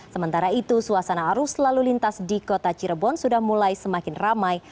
sementara itu suasana arus lalu lintas di kota cirebon sudah mulai semakin ramai